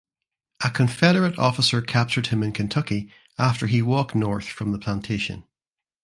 A Confederate officer captured him in Kentucky after he walked north from the plantation.